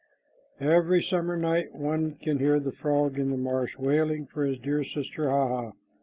Every summer night one can hear the frog in the marsh wailing for his dear sister Hah hah.